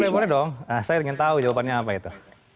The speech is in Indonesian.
boleh boleh dong saya ingin tahu jawabannya apa itu